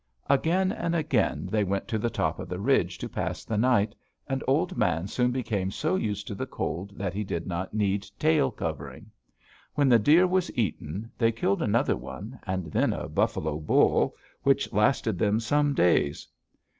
"Again and again they went to the top of the ridge to pass the night, and Old Man soon became so used to the cold that he did not need tail covering. When the deer was eaten, they killed another one, and then a buffalo bull, which lasted them some days.